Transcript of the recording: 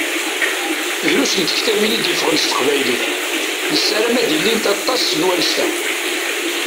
Drus n tektabin i d-yeffɣen s teqbaylit, nessaram ad ilint aṭas n wannect-a.